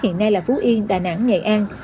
hiện nay là phú yên đà nẵng nghệ an